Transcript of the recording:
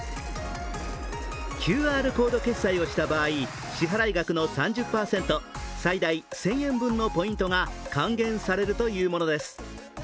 ＱＲコード決済をした場合、支払額の３０％、最大１０００円分のポイントが還元されるというものです。